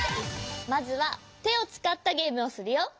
まずはてをつかったゲームをするよ。